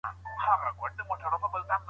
له سګرټو او نصوارو ځان وساتئ.